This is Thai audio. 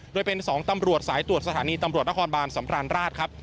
โดยเป็น๒ตำรวจสายตรวจสถานีตำรวจนครบานสำราญราชครับ